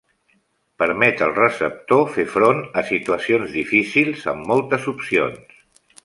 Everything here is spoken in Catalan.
Permet al receptor fer front a situacions difícils amb moltes opcions.